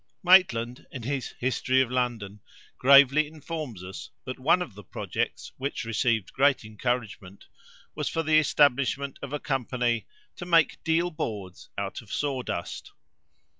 Maitland, in his History of London, gravely informs us, that one of the projects which received great encouragement, was for the establishment of a company "to make deal boards out of saw dust."